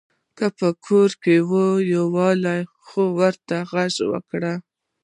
که په کور کې وي يوارې خو ورته غږ کړه !